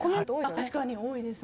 確かに多いですね。